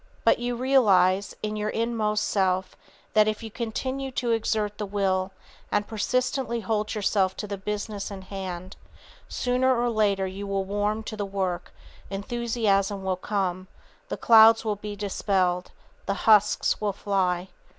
But you realize, in your inmost self, that _if you continue to exert the will and persistently hold yourself to the business in hand, sooner or later you will warm to the work, enthusiasm will come, the clouds will be dispelled, the husks will fly.